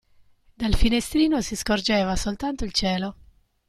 Dal finestrino si scorgeva soltanto il cielo.